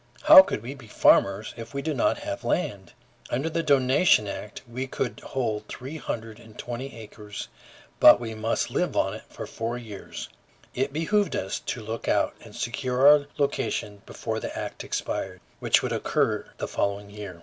How could we be farmers if we did not have land? Under the donation act we could hold three hundred and twenty acres, but we must live on it for four years; it behooved us to look out and secure our location before the act expired, which would occur the following year.